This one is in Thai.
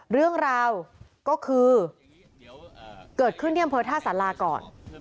เมื่อวานแบงค์อยู่ไหนเมื่อวาน